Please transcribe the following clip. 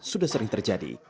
sudah sering terjadi